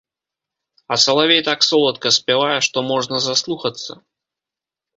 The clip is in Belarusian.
А салавей так соладка спявае, што можна заслухацца.